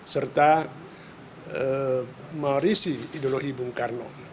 serta merisi ideologi bung karno